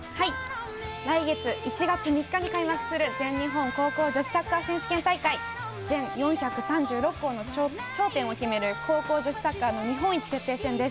来月１月３日に開幕する全日本高校女子サッカー選手権大会全４３６校の頂点を決める高校女子サッカーの日本一決定戦です。